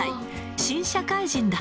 新社会人だ。